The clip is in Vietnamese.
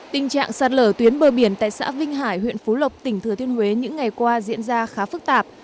tình trạng sạt lở tuyến bờ biển tại xã vinh hải huyện phú lộc tỉnh thừa thiên huế những ngày qua diễn ra khá phức tạp